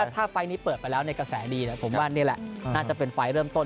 ถ้าไฟล์นี้เปิดไปแล้วในกระแสดีผมว่านี่แหละน่าจะเป็นไฟล์เริ่มต้น